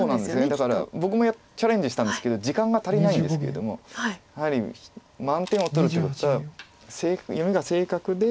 だから僕もチャレンジしたんですけど時間が足りないんですけれどもやはり満点を取るってことは読みが正確で。